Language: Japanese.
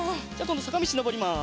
どさかみちのぼります。